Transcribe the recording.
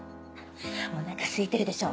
お腹すいてるでしょ。